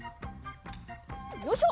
よいしょ！